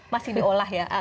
masih diolah ya